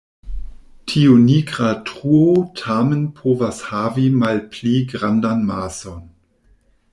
Tiu nigra truo tamen povas havi malpli grandan mason.